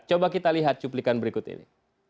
coba kita lihat cuplikan berikut ini